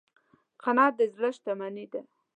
قناعت د زړه شتمني ده.